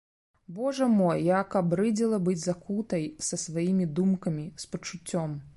Божа мой, як абрыдзела быць закутай са сваімі думкамі, з пачуццём.